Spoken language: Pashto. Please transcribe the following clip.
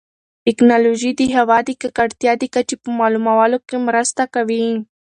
ټیکنالوژي د هوا د ککړتیا د کچې په معلومولو کې مرسته کوي.